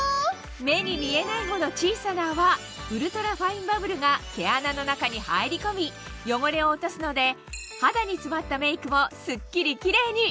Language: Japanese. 目に見えないほど小さな泡ウルトラファインバブルが毛穴の中に入り込み汚れを落とすので肌に詰まったメークもすっきりキレイに！